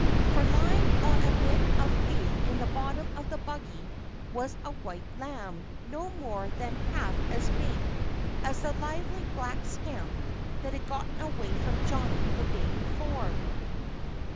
For lying on a bit of hay in the bottom of the buggy was a white lamb no more than half as big as the lively black scamp that had got away from Johnnie the day before.